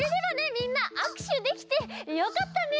みんなあくしゅできてよかったね！